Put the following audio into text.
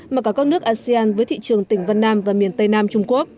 mà cả các nước asean với thị trường tỉnh vân nam và miền tây nam trung quốc